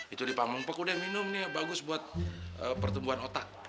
itu dipangpengpeng udah minum nih bagus buat pertumbuhan otak